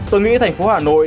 tôi nghĩ thành phố hà nội